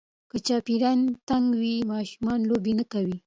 که چاپېریال تنګ وي، ماشومان لوبې نه کوي.